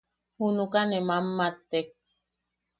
Junuka ne mammattek.